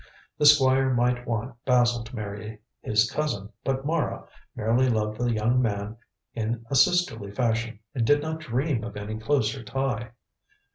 The Squire might want Basil to marry his cousin, but Mara merely loved the young man in a sisterly fashion, and did not dream of any closer tie.